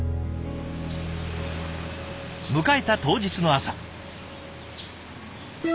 迎えた当日の朝。